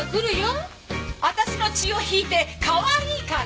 私の血を引いてかわいいから！